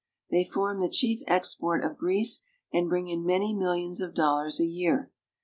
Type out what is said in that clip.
They form the chief export of Greece and bring in many millions of dollars a year.